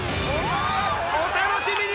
お楽しみに！